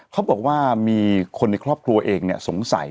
เขาบอกว่ามีคนในครอบครัวเองสงสัย